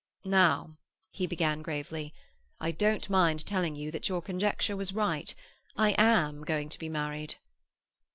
"Now," he began gravely, "I don't mind telling you that your conjecture was right. I am going to be married."